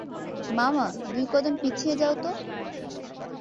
মামা, দুই কদম পিছিয়ে যাও তো।